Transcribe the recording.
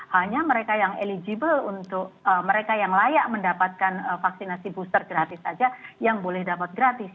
hanya mereka yang eligible untuk mereka yang layak mendapatkan vaksinasi booster gratis saja yang boleh dapat gratis